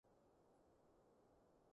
煲底